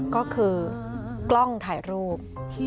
ก็คือกล้องถ่ายรูป